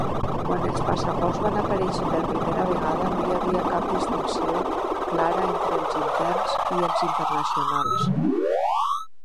Quan els passaports van aparèixer per primera vegada, no hi havia cap distinció clara entre els interns i els internacionals.